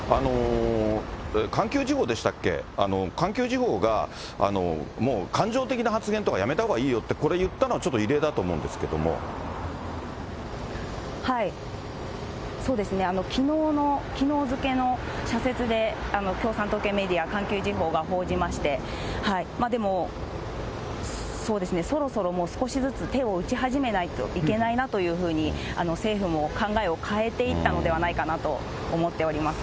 環球時報でしたっけ、環球時報がもう感情的な発言とかやめたほうがいいよと言ったのはそうですね、きのうの、きのう付けの社説で、共産党系メディア、環球時報が報じまして、でも、そうですね、そろそろ少しずつ手を打ち始めないといけないなというふうに、政府も考えを変えていったのではないかなと思っております。